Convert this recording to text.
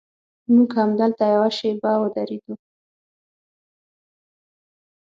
موږ همدلته یوه شېبه ودرېدو.